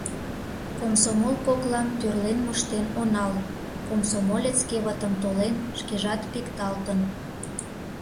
Комсомол коклам тӧрлен моштен онал: комсомолец кевытым толен, шкежат пикталтын.